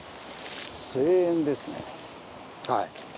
はい。